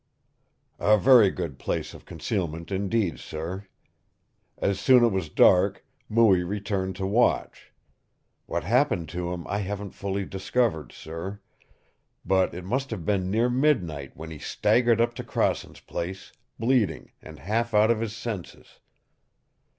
"A very good place of concealment indeed, sir. As soon as it was dark, Mooie returned to watch. What happened to him I haven't fully discovered, sir. But it must have been near midnight when he staggered up to Crossen's place, bleeding and half out of his senses.